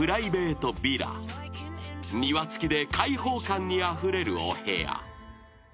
［庭付きで開放感にあふれるお部屋］